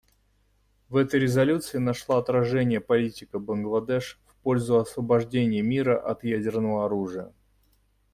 В этой резолюции нашла отражение политика Бангладеш в пользу освобождения мира от ядерного оружия.